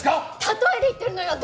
例えで言ってるのよ！